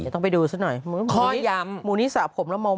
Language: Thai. ต้องไปดูซะหน่อยหมูนี้สาบผมแล้วเมา